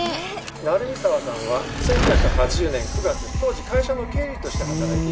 成見沢さんは１９８０年９月当時会社の経理として働いて。